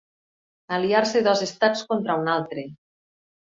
Aliar-se dos estats contra un altre.